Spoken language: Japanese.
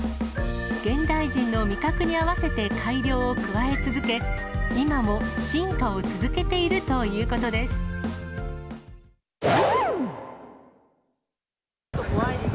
現代人の味覚に合わせて改良を加え続け、今も進化を続けているということです。